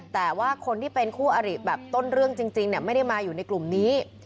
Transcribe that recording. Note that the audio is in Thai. แต่ว่าคนที่เป็นคู่อริแบบต้นเรื่องจริงไม่ได้มาอยู่ในกลุ่มนี้